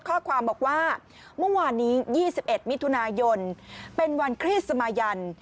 ข้อความบอกว่าเมื่อวานนี้๒๑มิถุนายนเป็นวันคริสมายัน